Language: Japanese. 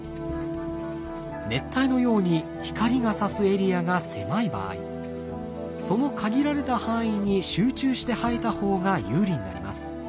熱帯のように光がさすエリアが狭い場合その限られた範囲に集中して生えた方が有利になります。